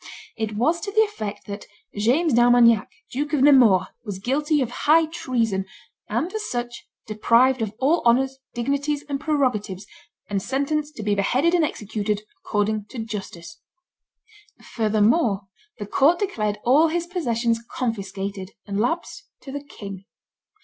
It was to the effect that "James d'Armagnac, Duke of Nemours, was guilty of high treason, and, as such, deprived of all honors, dignities, and prerogatives, and sentenced to be beheaded and executed according to justice." Furthermore the court declared all his possessions confiscated and lapsed to the king.